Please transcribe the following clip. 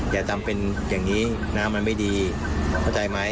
อย่าทำเป็นอย่างนี้น้ำมันไม่ดีเข้าใจไหม